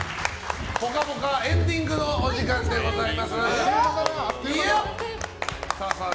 「ぽかぽか」エンディングのお時間でございます。